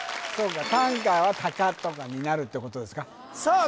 短歌はタカとかになるってことですかさあ